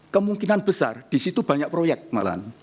kemungkinan besar di situ banyak proyek malah